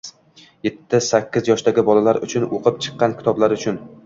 yetti- sakkiz yoshdagi bolalar uchun o‘qib chiqqan kitoblari uchun.